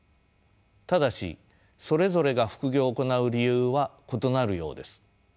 ただしそれぞれが副業を行う理由は異なるようです。